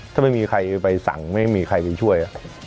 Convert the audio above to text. ถ้าไม่มีใครไปสั่งไม่มีใครไปช่วย